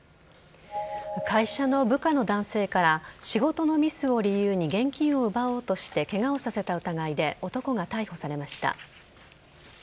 会社の部下の男性から仕事のミスを理由に現金を奪おうとしてケガをさせた疑いで男が逮捕されました。